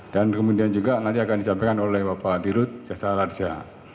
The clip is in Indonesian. dan kemudian juga nanti akan disampaikan oleh bapak dirut jasa radja